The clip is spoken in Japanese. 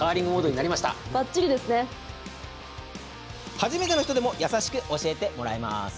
初めての人でも優しく教えてもらえます。